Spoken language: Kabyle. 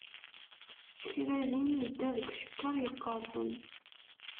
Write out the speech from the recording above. S kra din yedda deg ucekkar yeqqersen.